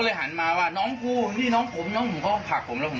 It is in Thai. หันมาว่าน้องกูพี่น้องผมน้องผมก็ผลักผมแล้วผม